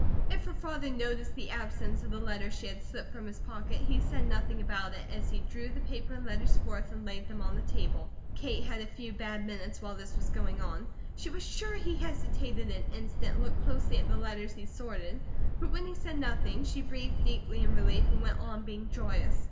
If her father noticed the absence of the letter she had slipped from his pocket he said nothing about it as he drew the paper and letters forth and laid them on the table. Kate had a few bad minutes while this was going on, she was sure he hesitated an instant and looked closely at the letters he sorted; but when he said nothing, she breathed deeply in relief and went on being joyous.